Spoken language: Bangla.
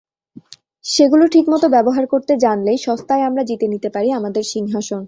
সেগুলো ঠিকমতো ব্যবহার করতে জানলেই সস্তায় আমরা জিতে নিতে পারি আমাদের সিংহাসন।